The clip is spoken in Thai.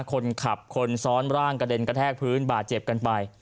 คนขับคนซ้อนร่างกระเด็นกระแทกพื้นบาดเจ็บกันไป